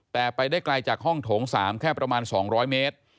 แต่ไปได้ไกลจากห้องโถง๓แค่ประมาณ๒๐๐เมตร